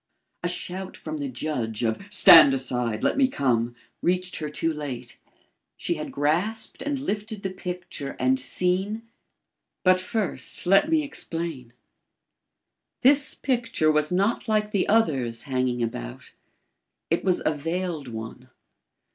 A shout from the judge of "Stand aside, let me come!" reached her too late. She had grasped and lifted the picture and seen But first, let me explain. This picture was not like the others hanging about. It was a veiled one.